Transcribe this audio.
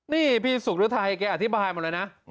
นี่พี่สุขฤทัยแกอธิบายหมดเลยนะ